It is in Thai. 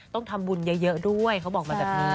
ต้องทำบุญเยอะด้วยเขาบอกมาแบบนี้